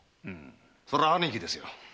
それは兄貴ですよ。